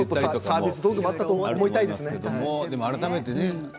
サービストークがあったと思いたいですね。